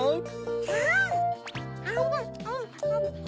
うん！